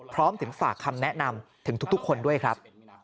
พร้อมถึงฝากคำแนะนำถึงทุกคนด้วยครับ